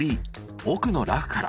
奥のラフから。